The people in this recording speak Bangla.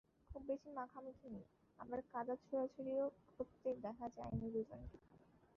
খুব বেশি মাখামাখি নেই, আবার কাদা ছোড়াছুড়িও করতে দেখা যায়নি দুজনকে।